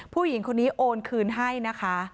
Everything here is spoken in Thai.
ผู้หญิงคนนี้โอนคืนให้นะคะ